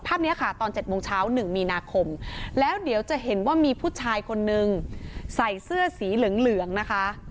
ภาพนี้ค่ะตอน๗โมงเช้า๑มีนาคมแล้วเดี๋ยวจะเห็นว่ามีผู้ชายคนนึงใส่เสื้อสีเหลืองนะคะ